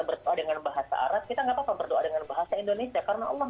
bersama dengan bahasa arab kita nggak papa berdoa dengan bahasa indonesia karena allah